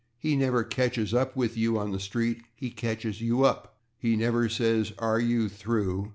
He never "catches /up with you/" on the street; he "catches /you up/." He never says "are you through?"